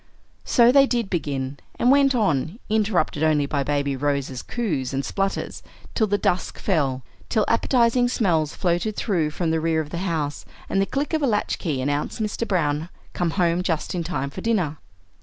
So they did begin, and went on, interrupted only by Baby Rose's coos and splutters, till the dusk fell, till appetizing smells floated through from the rear of the house, and the click of a latch key announced Mr. Browne, come home just in time for dinner.